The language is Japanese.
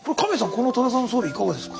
この多田さんの装備いかがですか？